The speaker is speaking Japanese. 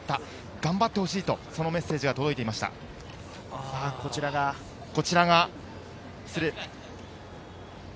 頑張ってほしいとメッセージが届いています。